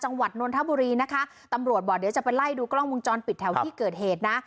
นนทบุรีนะคะตำรวจบอกเดี๋ยวจะไปไล่ดูกล้องวงจรปิดแถวที่เกิดเหตุนะ